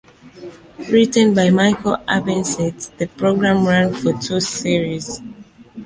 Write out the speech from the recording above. Written by Michael Abbensetts, the programme ran for two series.